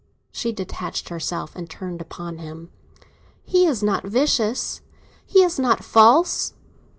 She detached herself, and turned upon him. "He is not vicious—he is not false!"